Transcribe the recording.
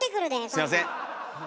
すいません。